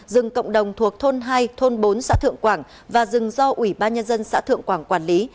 rừng cộng đồng thuộc thôn hai thôn bốn xã thượng quảng và rừng do ủy ban nhân dân xã thượng quảng quản lý